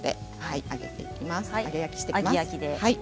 揚げ焼きをしていきます。